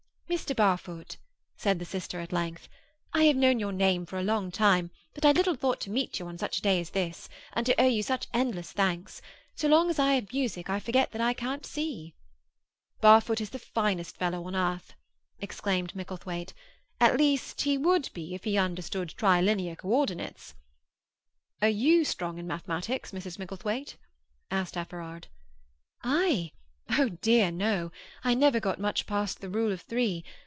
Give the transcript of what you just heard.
"Mr. Barfoot," said the sister at length, "I have known your name for a long time, but I little thought to meet you on such a day as this, and to owe you such endless thanks. So long as I can have music I forget that I can't see." "Barfoot is the finest fellow on earth," exclaimed Micklethwaite. "At least, he would be if he understood Trilinear Co ordinates." "Are you strong in mathematics, Mrs. Micklethwaite?" asked Everard. "I? Oh dear, no! I never got much past the Rule of Three.